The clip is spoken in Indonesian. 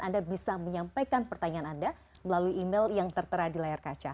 anda bisa menyampaikan pertanyaan anda melalui email yang tertera di layar kaca